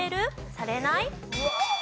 されない？